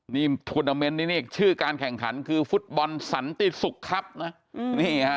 นี่นี่นี่ชื่อการแข่งขันคือพุทธบอลสันติศุกร์ครับน่ะนี่ค่ะ